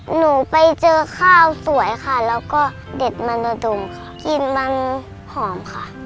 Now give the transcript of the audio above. หนูไปเจอข้าวสวยค่ะแล้วก็เด็ดมันโดยตรงค่ะกลิ่นมันหอมค่ะ